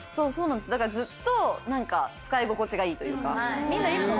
だからずっと使い心地がいいというか。